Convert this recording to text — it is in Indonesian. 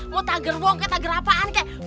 mau tiger mau kaget tiger apaan kek